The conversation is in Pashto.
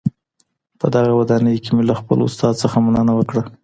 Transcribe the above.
په دغه ودانۍ کي مي له خپل استاد څخه مننه وکړه.